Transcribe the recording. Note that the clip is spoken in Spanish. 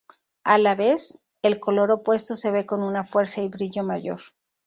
A la vez, el color opuesto se ve con una fuerza y brillo mayor.